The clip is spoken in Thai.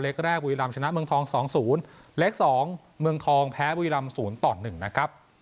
เล็กแรกบุรีรามชนะเมืองทองสองศูนย์เล็กสองเมืองทองแพ้บุรีรามศูนย์ต่อหนึ่งนะครับ